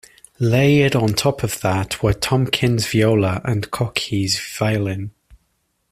Layered on top of that were Tompkins' viola and Cockey's violin.